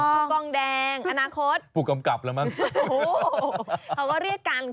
กองแดงอนาคตผู้กำกับแล้วมั้ง